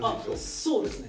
そうですね。